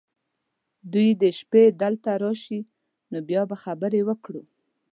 دوی دې شپې دلته راشي ، نو بیا به خبرې وکړو .